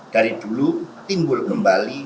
dari dulu timbul kembali